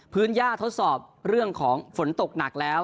ย่าทดสอบเรื่องของฝนตกหนักแล้ว